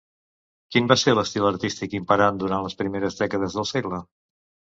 Quin va ser l'estil artístic imperant durant les primeres dècades del segle?